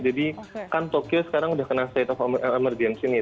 jadi kan tokyo sekarang udah kena state of emergency nih